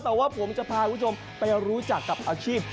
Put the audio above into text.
แต่ว่าผมจะพาคุณผู้ชมไปรู้จักกับอาชีพ